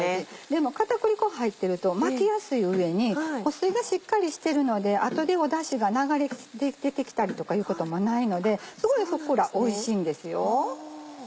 でも片栗粉入ってると巻きやすい上に保水がしっかりしてるのであとでだしが流れ出てきたりとかいうこともないのですごいふっくらおいしいんですよ。